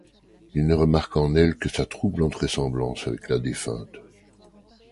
Il ne remarque en elle que sa troublante ressemblance avec la défunte.